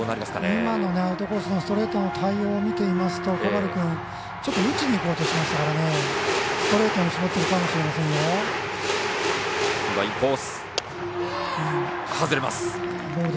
今のアウトコースのストレートの対応を見ると小針君打ちにいこうとしていましたからストレートに絞っているかもしれないです。